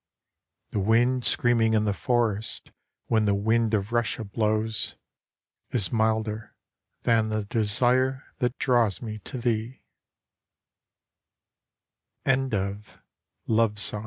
The wind screaming in the forest when the wind of Russia blows Is milder than the desire that draws me